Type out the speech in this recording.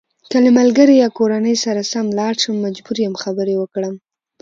که له ملګري یا کورنۍ سره لاړ شم مجبور یم خبرې وکړم.